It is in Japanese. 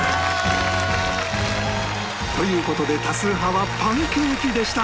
という事で多数派はパンケーキでした